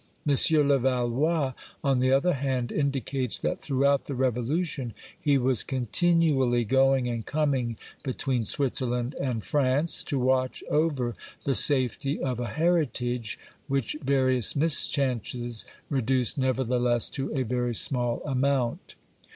M, Levallois, on the other hand, indicates that throughout the Revolution he was continually going and coming between Switzerland and France, to watch over the safety of a heritage which various mischances reduced, nevertheless, to a very small CRITICAL INTRODUCTION xi amount.